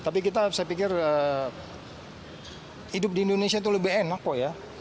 tapi kita saya pikir hidup di indonesia itu lebih enak kok ya